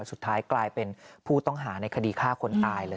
สุดท้ายกลายเป็นผู้ต้องหาในคดีฆ่าคนตายเลย